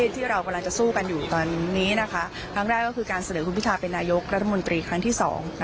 ที่เรากำลังจะสู้กันอยู่ตอนนี้ครั้งแรกก็คือการเสนอคุณพิทาเป็นนายกรัฐมนตรีครั้งที่๒